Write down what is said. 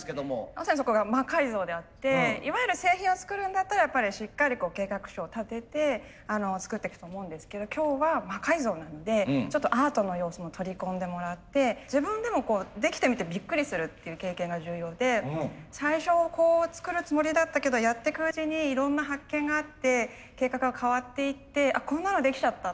まさにそこが魔改造であっていわゆる製品を作るんだったらやっぱりしっかり計画書を立てて作ってくと思うんですけど今日は魔改造なのでちょっとアートの要素も取り込んでもらって自分でもできてみてびっくりするっていう経験が重要で最初こう作るつもりだったけどやってくうちにいろんな発見があって計画が変わっていってこんなのできちゃった。